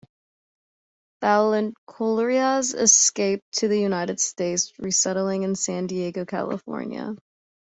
Blancornelas escaped to the United States, resettling in San Diego, California.